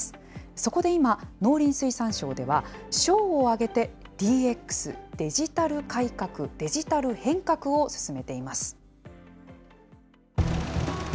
そこで今、農林水産省では、省を挙げてＤＸ・デジタル変革を進めています。